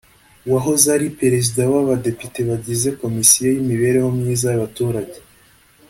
wahoze ari Perezida w’ abadepite bagize komisiyo y’ imibereho myiza y’ abaturage